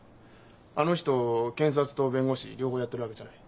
あの人検察と弁護士両方やってるわけじゃない。